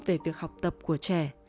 về việc học tập của trẻ